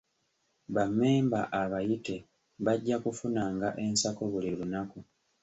Bammemba abayite bajja kufunanga ensako buli lunaku.